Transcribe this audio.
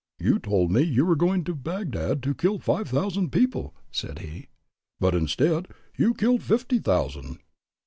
"You told me you were going to Bagdad to kill five thousand people," said he, "but instead, you killed fifty thousand."